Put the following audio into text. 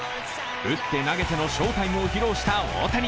打って投げての翔タイムを披露した大谷。